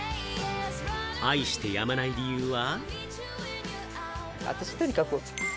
愛してやまない理由は？